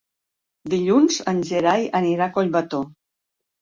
Dilluns en Gerai anirà a Collbató.